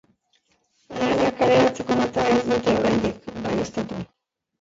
Lana kaleratzeko data ez dute oraindik baieztatu.